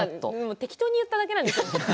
適当に言っただけなんです。